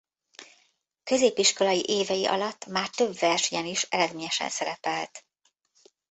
Középiskolai évei alatt már több versenyen is eredményesen szerepelt.